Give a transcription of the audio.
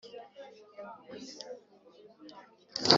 Ingingo ya mbere Inshingano za banki yishyura